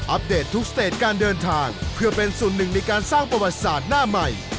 เดตทุกสเตจการเดินทางเพื่อเป็นส่วนหนึ่งในการสร้างประวัติศาสตร์หน้าใหม่